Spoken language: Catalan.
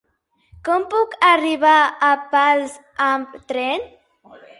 Com puc arribar a Pals amb tren?